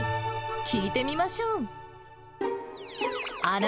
聞いてみましょう。